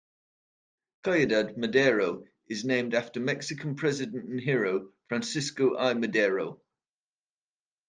Ciudad Madero is named after Mexican president and hero Francisco I. Madero.